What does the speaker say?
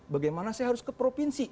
bagaimana saya harus ke provinsi